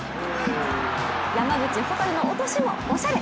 山口蛍の落としもおしゃれ！